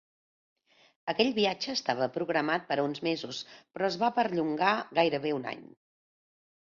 Aquell viatge estava programat per a uns mesos però es va perllongar gairebé un any.